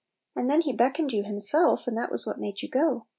And then he beckoned you himself, and that was what made you go.